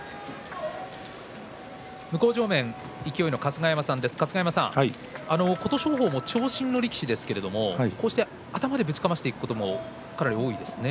向正面、勢の春日山さん琴勝峰も長身の力士ですけれども頭でぶちかましていくことも多いですね。